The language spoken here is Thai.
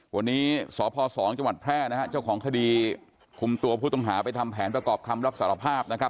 วันนี้สพ๒จังหวัดแพร่นะฮะเจ้าของคดีคุมตัวผู้ต้องหาไปทำแผนประกอบคำรับสารภาพนะครับ